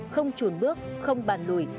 không chuồn bước không bàn lùi